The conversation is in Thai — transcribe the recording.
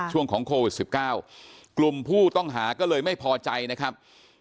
ช่วงของโควิด๑๙กลุ่มผู้ต้องหาก็เลยไม่พอใจนะครับ